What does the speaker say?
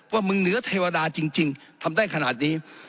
ว่ามึงเหนือเทวดาจริงทำได้ขนาดนี้